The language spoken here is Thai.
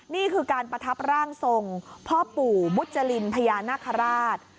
นี่คือการประทับร่างทรงพ่อปู่มุจรินพญานาคาราช